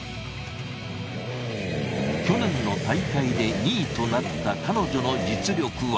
去年の大会で２位となった彼女の実力は。